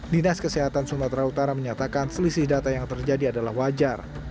dinas kesehatan sumatera utara menyatakan selisih data yang terjadi adalah wajar